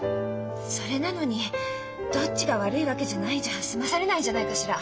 それなのに「どっちが悪いわけじゃない」じゃ済まされないんじゃないかしら？